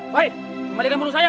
woy kembali ke burung saya